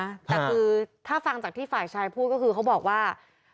แต่คือถ้าฟังจากที่ฝ่ายชายพูดก็คือเขาบอกว่า